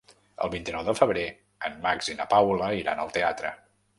El vint-i-nou de febrer en Max i na Paula iran al teatre.